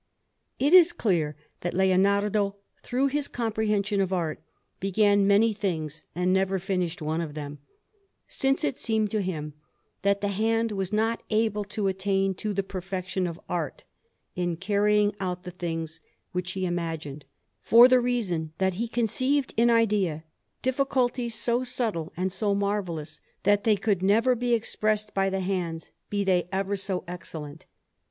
It is clear that Leonardo, through his comprehension of art, began many things and never finished one of them, since it seemed to him that the hand was not able to attain to the perfection of art in carrying out the things which he imagined; for the reason that he conceived in idea difficulties so subtle and so marvellous, that they could never be expressed by the hands, be they ever so excellent.